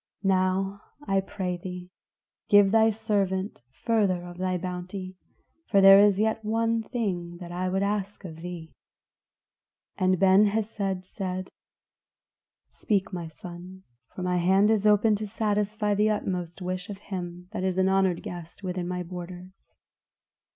Now, I pray thee, give thy servant further of thy bounty; for there is yet one thing that I would ask of thee." And Ben Hesed said, "Speak, my son, for my hand is open to satisfy the utmost wish of him that is an honored guest within my borders."